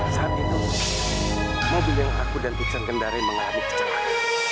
saat itu mobil yang aku dan pican kendari mengalami kecelakaan